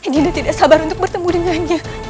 gila tidak sabar untuk bertemu dengannya